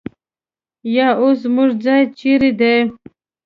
یا اوس زموږ ځای چېرې دی؟